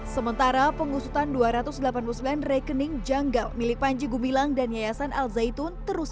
sementara pengusutan dua ratus delapan puluh sembilan rekening janggal milik panji gumilang dan yayasan al zaitun terus